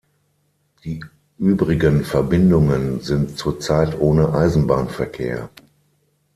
Die übrigen Verbindungen sind zurzeit ohne Eisenbahnverkehr.